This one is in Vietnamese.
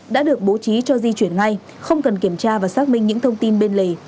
đã được bố trí cho di chuyển ngay không cần kiểm tra và xác minh những thông tin bên lề